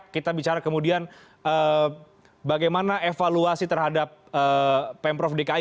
kita bicara kemudian bagaimana evaluasi terhadap pemprov dki